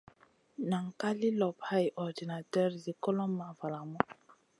Nan ka li lop hay ordinater zi kulomʼma valamu.